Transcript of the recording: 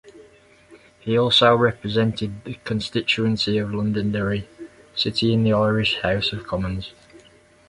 He also represented the constituency of Londonderry City in the Irish House of Commons.